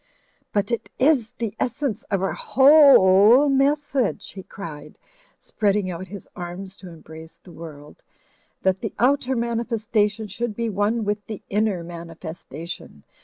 "But it iss the essence of our who ole message," he cried, spreading out his arms to embrace the world, "that the outer manifestation should be one with the inner manifestation.